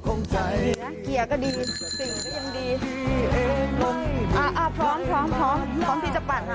เกียร์เกียร์ก็ดีสิ่งก็ยังดีอ่าอ่าพร้อมพร้อมพร้อมพร้อมพร้อมที่จะปั่นฮะ